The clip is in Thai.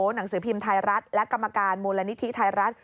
หนังสือพิมพ์ไทยรัฐและกรรมการมูลนิธิไทยรัฐ